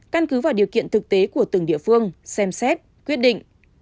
căn cứ vào điều kiện thực tế của từng địa phương xem xét quyết định